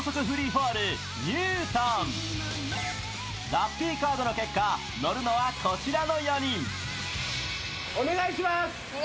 ラッピーカードの結果、乗るのはこちらの４人お願いします。